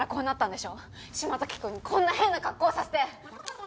島崎君にこんな変な格好させて！